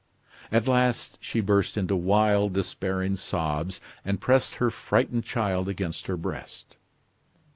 At last, she burst into wild, despairing sobs, and pressed her frightened child against her breast.